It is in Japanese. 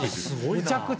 むちゃくちゃ。